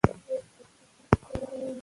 د مور روغتيا د کور چاپېريال ښه کوي.